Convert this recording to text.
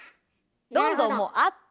どんどんもうあった。